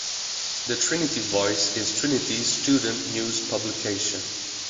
The Trinity Voice is Trinity's student news publication.